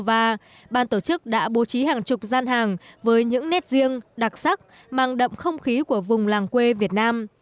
và ban tổ chức đã bố trí hàng chục gian hàng với những nét riêng đặc sắc mang đậm không khí của vùng làng quê việt nam